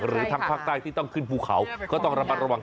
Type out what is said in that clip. หรือทางภาคใต้ที่ต้องขึ้นภูเขาก็ต้องระมัดระวัง